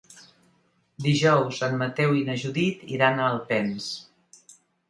Dijous en Mateu i na Judit iran a Alpens.